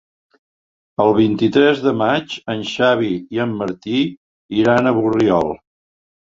El vint-i-tres de maig en Xavi i en Martí iran a Borriol.